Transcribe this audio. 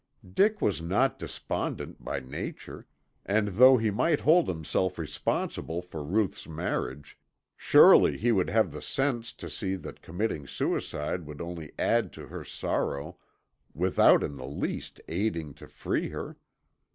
Dick was not despondent by nature and though he might hold himself responsible for Ruth's marriage, surely he would have the sense to see that committing suicide would only add to her sorrow without in the least aiding to free her.